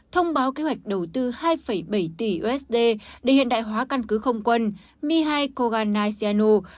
thông báo kế hoạch đầu tư hai bảy tỷ usd để hiện đại hóa căn cứ không quân mihai koganai sianu